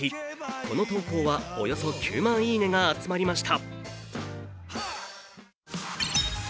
この投稿はおよそ９万いいねが集まりました。